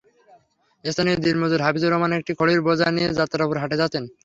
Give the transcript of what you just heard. স্থানীয় দিনমজুর হাফিজুর রহমান একটি খড়ির বোঝা নিয়ে যাত্রাপুর হাটে যাচ্ছেন।